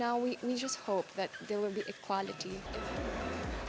jadi sekarang kita berharap akan ada keadilan